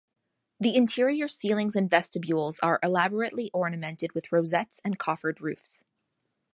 The interior ceilings and vestibules are elaborately ornamented with rosettes and coffered roofs.